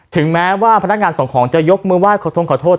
ถึงแม้ว่าพนักงานส่งของจะยกมือไห้ขอโทษ